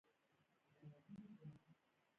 کېدای سي تاسي یوشي بد ګڼى او هغه ستاسي له پاره ښه يي.